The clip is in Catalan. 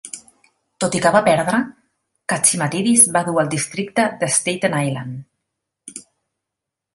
Tot i que va perdre, Catsimatidis va dur el districte de Staten Island.